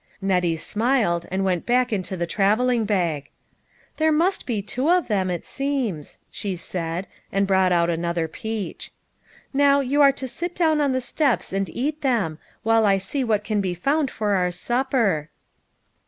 Nettie smiled, and went back into the trav elling bag. " There must be two of them, it seems," she said, and brought out another peach. " Now* you are to sit down on the steps and eat them, while I see what can be found for our supper."